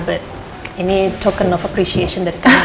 betul ini token of appreciation dari kami